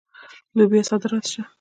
د لوبیا صادرات شته.